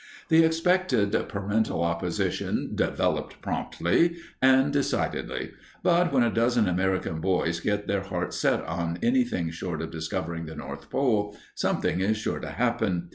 The expected parental opposition developed promptly and decidedly, but when a dozen American boys get their hearts set on anything short of discovering the North Pole something is sure to happen.